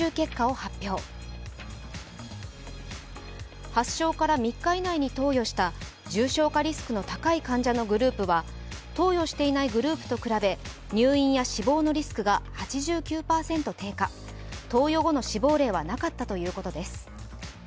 発症から３日以内に投与した重症化リスクの高い患者るグループは投与していないグループと比べ入院や死亡のリスクが８９％低下、投与後の死亡例はなかったということです。